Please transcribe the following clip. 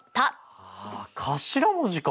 ああ頭文字か！